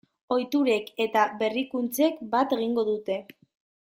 Ohiturek eta berrikuntzek bat egingo dute.